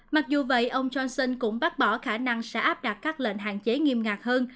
mặc dù vậy ông johnson cũng bác bỏ khả năng sẽ áp đặt các lệnh hạn chế nghiêm ngặt hơn